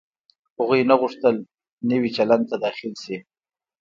هغوی نه غوښتل نوي چلند ته داخل شي.